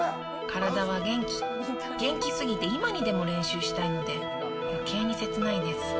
体は元気、元気すぎて今にでも練習したいので、よけいにせつないです。